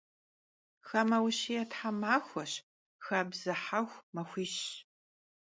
Xame vuşiê themaxueş, xabze hexu maxuişş.